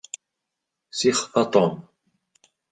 Sixef a Tom.